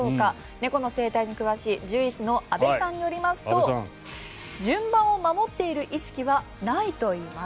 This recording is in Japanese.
猫の生態に詳しい獣医師の阿部さんによりますと順番を守っている意識はないといいます。